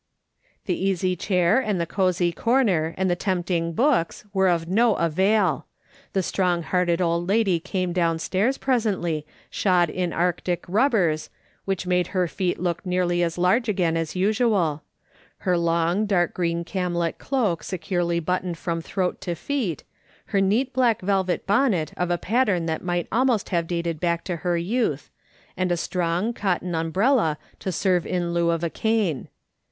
The easy chair and the cosy corner and the tempt ing books were of no avail ; the strong hearted ohl lady came downstairs, presently, shod in arctic rubbers, which made her feet look nearly as large again as usual, her long dark green camlet cloak securely buttoned from throat to feet, her neat black velvet bonnet of a pattern that might almost have dated back into her vouth, and a strong cotton 1 20 MRS. SOL OMON SMI TH L OKING ON umbrella to serve in lieu of a cane.